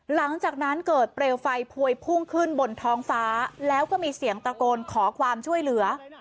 หลังจากนั้นเกิดเปลวไฟพวยพุ่งขึ้นบนท้องฟ้าแล้วก็มีเสียงตะโกนขอความช่วยเหลือ